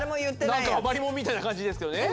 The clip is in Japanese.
なんか余り物みたいな感じですけどね。